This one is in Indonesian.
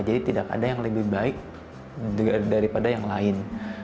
jadi tidak ada yang lebih baik daripada yang lain